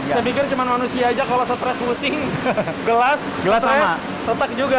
saya pikir cuma manusia saja kalau setres lusing gelas retak juga